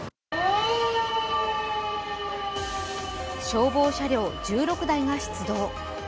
消防車両１６台が出動。